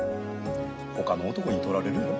ほかの男にとられるやろ。